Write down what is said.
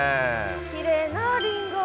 きれいなありんご。